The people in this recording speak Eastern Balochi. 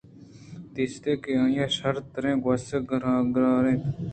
دیستے کہ آئی ءِ شرتریں گوٛسک گار اِنت